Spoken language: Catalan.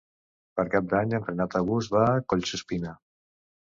Per Cap d'Any en Renat August va a Collsuspina.